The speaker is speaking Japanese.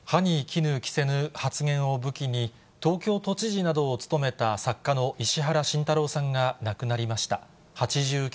歯にきぬ着せぬ発言を武器に東京都知事などを務めた作家の石原慎太郎さんが亡くなりました。